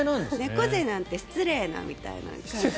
猫背なんて失礼な！みたいな。